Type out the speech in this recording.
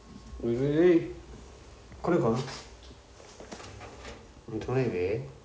これかな？